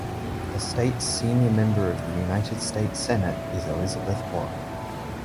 The state's senior member of the United States Senate is Elizabeth Warren.